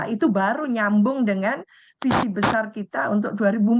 itu baru nyambung dengan visi besar kita untuk dua ribu empat puluh